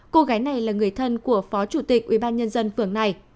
cô gái này là người thân của phó chủ tịch ủy ban nhân dân phường này